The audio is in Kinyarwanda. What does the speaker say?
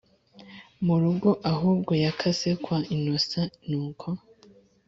murugo ahubwo yakase kwa innocent nuko